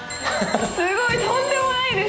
すごいとんでもないですね。